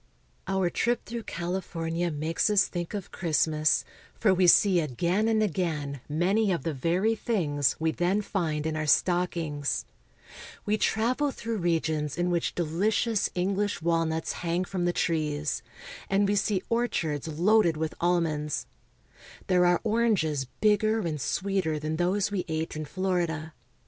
Our trip through California makes us think of Christ mas, for w^e see again and again many of the very things we then find in our stockings. We travel through regions in which delicious English walnuts hang from the trees, and Almond Trees in Bloom. 266 CALIFORNIA. A Rose Bush in California. we see orchards loaded with almonds. There are oranges bigger and sweeter than those we ate in Florida.